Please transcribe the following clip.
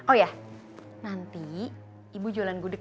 oh iya nanti ibu jualan gudekan